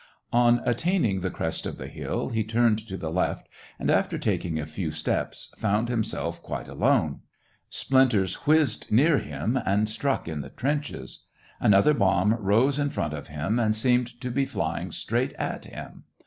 On attaining the crest of the hill, he turned to the left, and, after taking a few steps, found him self quil;e alone. Splinters whizzed near him, and struck in the trenches. Another bomb rose in front of him, and seemed to 'be flying straight at him.